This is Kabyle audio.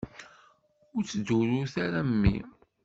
Ur ttḍurrut ara mmi!